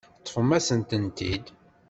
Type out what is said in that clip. Teṭṭfem-asent-tent-id.